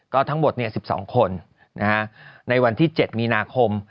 ก็ทั้งหมด๑๒คนในวันที่๗มีนาคม